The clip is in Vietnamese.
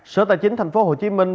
sở tài chính thành phố hồ chí minh